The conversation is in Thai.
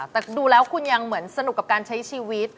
แต่ดูแล้วคุณยังเหมือนสนุกกับการใช้ชีวิต